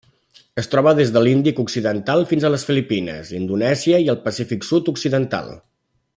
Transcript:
Es troba des de l'Índic occidental fins a les Filipines, Indonèsia i el Pacífic sud-occidental.